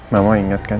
mama inget kan